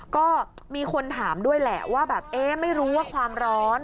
ก็มีคนถามด้วยแหละว่าแบบเอ๊ะไม่รู้ว่าความร้อน